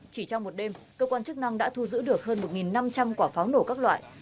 chỉ trong một đêm cơ quan chức năng đã thu giữ được hơn một năm trăm linh quả pháo nổ các loại